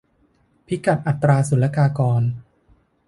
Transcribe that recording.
พิกัดอัตราศุลกากร